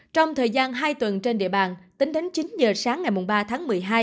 trong thời gian hai tuần trên địa bàn tính đến chín giờ sáng ngày ba tháng một mươi hai